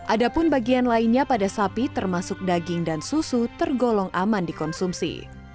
ada pun bagian lainnya pada sapi termasuk daging dan susu tergolong aman dikonsumsi